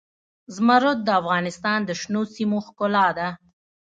زمرد د افغانستان د شنو سیمو ښکلا ده.